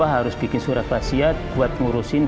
harus bikin surat wasiat buat ngurusin